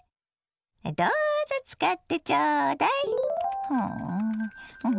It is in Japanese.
どうぞ使ってちょうだい。